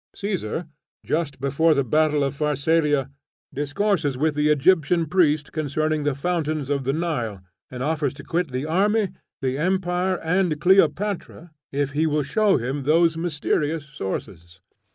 Caesar, just before the battle of Pharsalia, discourses with the Egyptian priest concerning the fountains of the Nile, and offers to quit the army, the empire, and Cleopatra, if he will show him those mysterious sources.